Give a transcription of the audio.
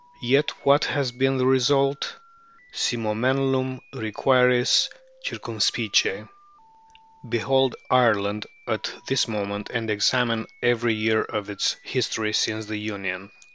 Yet what has been the result? Si monumenlum requiris circumspice. Behold Ireland at this moment, and examine every year of its history since the Union.